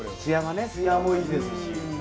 つやもいいですし。